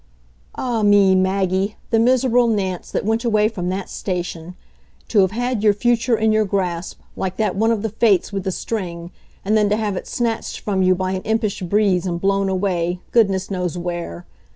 Ah me, Maggie, the miserable Nance that went away from that station! To have had your future in your grasp, like that one of the Fates with the string, and then to have it snatched from you by an impish breeze and blown away, goodness knows where!